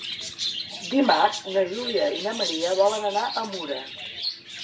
Dimarts na Júlia i na Maria volen anar a Mura.